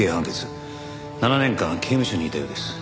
７年間刑務所にいたようです。